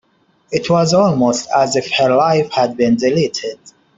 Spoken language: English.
It was almost as if her life had been deleted.